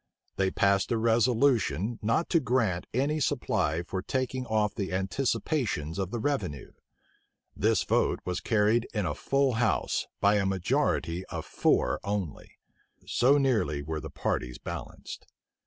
They passed a resolution not to grant any supply for taking off the anticipations of the revenue.[*] This vote was carried in a full house, by a majority of four only: so nearly were the parties balanced.